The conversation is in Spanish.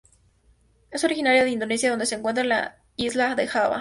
Es originaria de Indonesia donde se encuentra en la isla de Java.